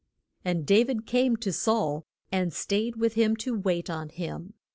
And Da vid came to Saul, and stayed with him to wait on him.